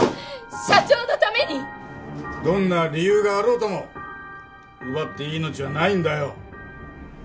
どんな理由があろうとも奪っていい命はないんだよ。